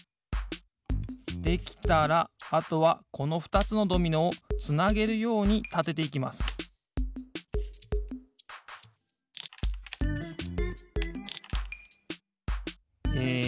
できたらあとはこのふたつのドミノをつなげるようにたてていきますえ